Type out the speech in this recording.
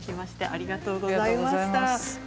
ありがとうございます。